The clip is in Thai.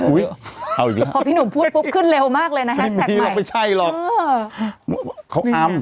อุ๊ยเอาอีกแล้วพอพี่หนุ่มพูดปุ๊บขึ้นเร็วมากเลยนะไม่ใช่หรอก